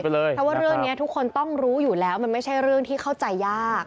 เพราะว่าเรื่องนี้ทุกคนต้องรู้อยู่แล้วมันไม่ใช่เรื่องที่เข้าใจยาก